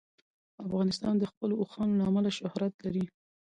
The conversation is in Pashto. افغانستان د خپلو اوښانو له امله شهرت لري.